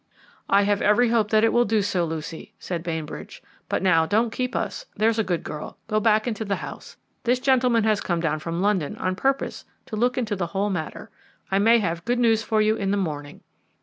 "I have every hope that it will do so, Lucy," said Bainbridge, "but now don't keep us, there's a good girl; go back into the house. This gentleman has come down from London on purpose to look into the whole matter. I may have good news for you in the morning."